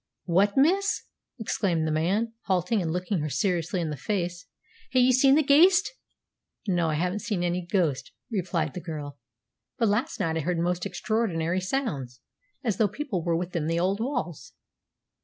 "What, miss!" exclaimed the man, halting and looking her seriously in the face; "ha'e ye seen the ghaist?" "No, I haven't seen any ghost," replied the girl; "but last night I heard most extraordinary sounds, as though people were within the old walls."